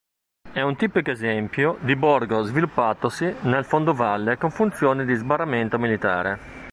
È un tipico esempio di borgo sviluppatosi nel fondovalle con funzioni di sbarramento militare.